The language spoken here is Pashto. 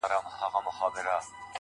• توره مي تر خپلو گوتو وزي خو.